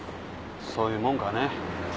そういうもんかね。